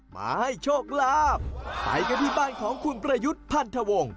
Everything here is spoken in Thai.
มาให้โชคลาภไปกันที่บ้านของคุณประยุทธ์พันธวงศ์